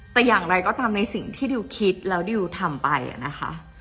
แต่อย่างไรก็ตามในสิ่งที่ดิวคิดแล้วดิวทำไปนะคะ